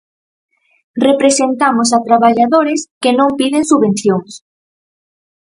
Representamos a traballadores que non piden subvencións.